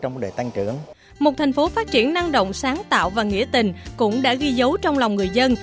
một thành phố phát triển năng động sáng tạo và nghĩa tình cũng đã ghi dấu trong lòng người dân